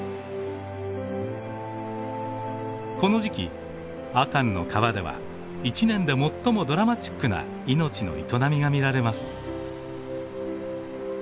この時期阿寒の川では一年で最もドラマチックな命の営みが見られます。